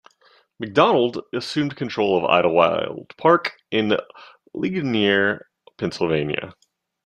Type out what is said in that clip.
Macdonald assumed control of Idlewild Park in Ligonier, Pennsylvania.